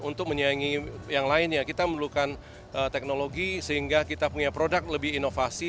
untuk menyaingi yang lainnya kita memerlukan teknologi sehingga kita punya produk lebih inovasi